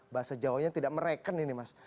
bahasa jawanya tidak mereken ini mas